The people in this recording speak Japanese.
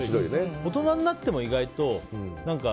大人になっても意外と。